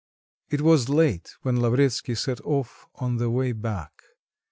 It was late when Lavretsky set off on the way back.